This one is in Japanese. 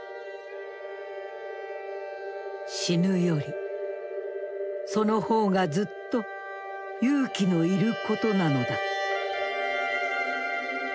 「死ぬよりその方がずっと勇気のいることなのだ」。